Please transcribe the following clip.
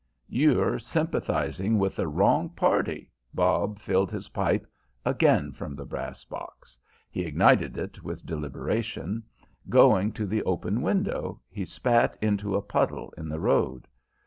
"You're sympathizing with the wrong party." Bob filled his pipe again from the brass box; he ignited it with deliberation; going to the open window he spat into a puddle in the road.